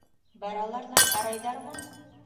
Баралар ҙа ҡарайҙармы?